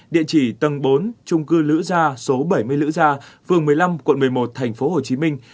địa chỉ tầng bốn trung cư lữ gia số bảy mươi lữ gia phường một mươi năm quận một mươi một thành phố hồ chí minh